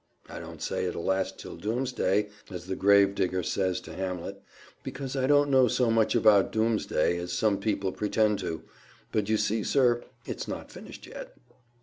I don't say it'll last till doomsday, as the gravedigger says to Hamlet, because I don't know so much about doomsday as some people pretend to; but you see, sir, it's not finished yet."